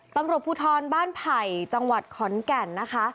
ตำรวจภูทรบ้านไผ่จังหวัดขอนแก่นนะคะ